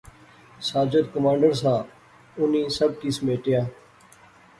ساجد کمانڈر سا، انی سب کی سمیٹیا